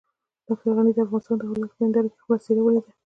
ډاکټر غني د افغانستان د حالاتو په هنداره کې خپله څېره وليده.